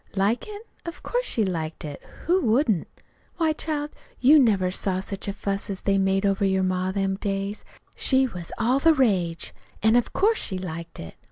"Like it? Of course she liked it! Who wouldn't? Why, child, you never saw such a fuss as they made over your ma in them days. She was all the rage; an' of course she liked it.